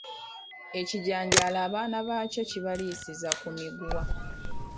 Ekijanjaalo abaana baakyo kibaliisiza ku miguwa.